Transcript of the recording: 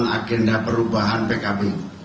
agenda perubahan pkb